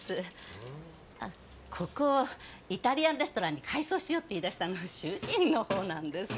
ここをイタリアンレストランに改装しようって言い出したの主人のほうなんです。